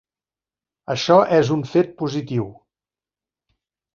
Això és un fet positiu.